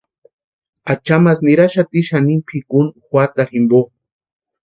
Achamasï niraxati xanini pʼikuni juatarhu jimpo.